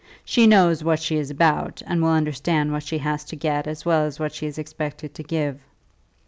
She knows what she is about, and will understand what she has to get as well as what she is expected to give.